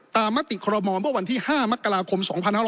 ตามมาติกครมเมื่อวันที่๕มักกราคม๒๕๖๔